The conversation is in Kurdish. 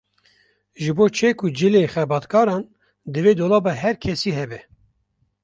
Ji bo çek û cilên xebatkaran divê dolaba her kesî hebe